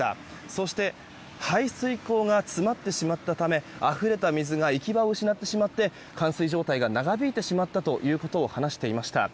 そして、排水溝が詰まってしまったためあふれた水が行き場を失ってしまって冠水状態が長引いてしまったということを話していました。